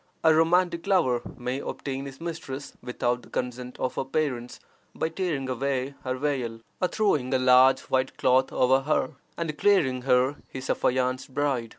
A romantic lover may obtain his mistress without the consent of her parents by tearing away her veil, cutting off a lock of her hair, or throwing a large white cloth over her, and declaring her his affianced bride.